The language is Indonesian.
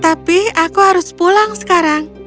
tapi aku harus pulang sekarang